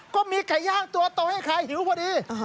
ก็มีไก่ย่างตัวโตให้ใครหิวพอดี